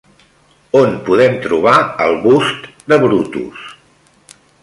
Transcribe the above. On podem trobar el Bust de Brutus?